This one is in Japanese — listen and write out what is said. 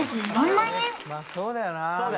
・まあそうだよな